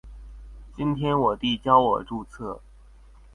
今天我弟教我註冊